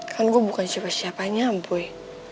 kan gue bukan siapa siapanya boy